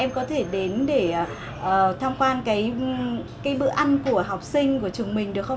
em có thể đến để tham quan cái bữa ăn của học sinh của trường mình được không ạ